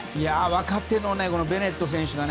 若手のベネット選手。